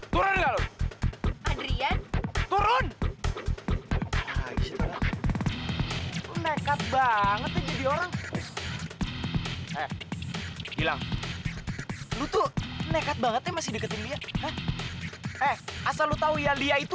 turun turun banget nih orang bilang lu tuh nekat banget ya masih diketik asal lu tahu ya dia itu